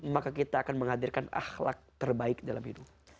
maka kita akan menghadirkan ahlak terbaik dalam hidup